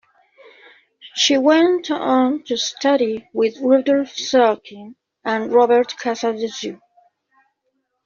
She went on to study with Rudolf Serkin and Robert Casadesus.